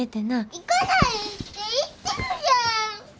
行かないって言ってるじゃん！